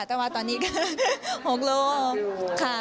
แต่ว่าตอนนี้๖กิโลกรัม